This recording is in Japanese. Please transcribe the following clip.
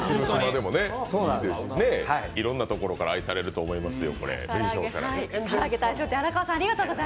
いろんなところから愛されると思いますよ。